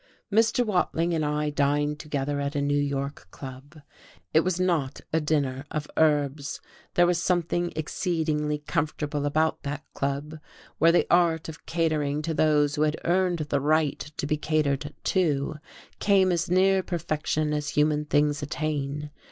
Mr. Watling and I dined together at a New York club. It was not a dinner of herbs. There was something exceedingly comfortable about that club, where the art of catering to those who had earned the right to be catered to came as near perfection as human things attain.